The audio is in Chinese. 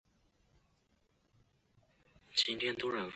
祖父娄旺。